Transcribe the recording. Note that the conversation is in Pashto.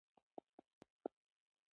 ملاینو دعا ورته وکړه.